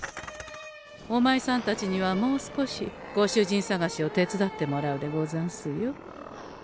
おまいさんたちにはもう少しご主人さがしを手伝ってもらうでござんすよ。